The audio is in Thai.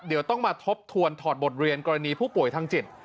เดี๋ยวต้องมาทบทวนถอดบทเรียนกรณีผู้ป่วยทางจิต